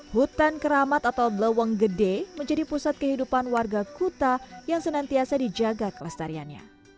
hutan keramat atau leweng gede menjadi pusat kehidupan warga kuta yang senantiasa dijaga kelestariannya